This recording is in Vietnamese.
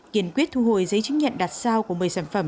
kiên quyết thu hồi giấy chứng nhận đặt sao của một mươi sản phẩm